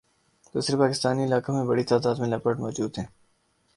دوسرے پاکستانی علاقوں میں بڑی تعداد میں لیپرڈ موجود ہیں